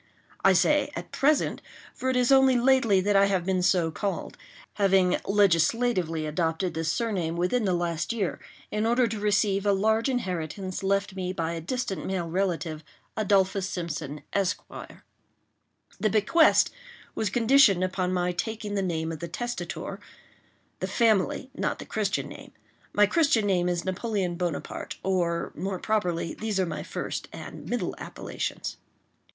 I say "at present;" for it is only lately that I have been so called—having legislatively adopted this surname within the last year in order to receive a large inheritance left me by a distant male relative, Adolphus Simpson, Esq. The bequest was conditioned upon my taking the name of the testator,—the family, not the Christian name; my Christian name is Napoleon Bonaparte—or, more properly, these are my first and middle appellations.